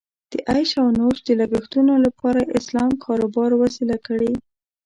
د عیش او نوش د لګښتونو لپاره یې اسلام کاروبار وسیله کړې.